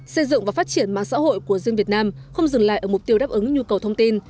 xây dựng và phát triển mạng xã hội của riêng việt nam không dừng lại ở mục tiêu đáp ứng nhu cầu thông tin